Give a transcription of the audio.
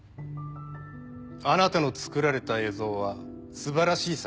あなたの作られた映像は素晴らしい作品でした。